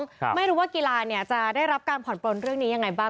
ครับไม่รู้ว่ากีฬาเนี่ยจะได้รับการผ่อนปลนเรื่องนี้ยังไงบ้าง